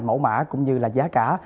mẫu mã cũng như là giá cả